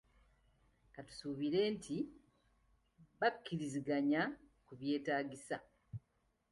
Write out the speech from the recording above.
Katusuubire nti bakkiriziganya ku byetaagisa.